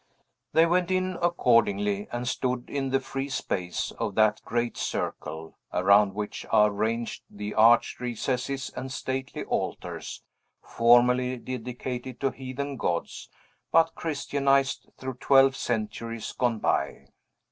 They went in accordingly, and stood in the free space of that great circle, around which are ranged the arched recesses and stately altars, formerly dedicated to heathen gods, but Christianized through twelve centuries gone by.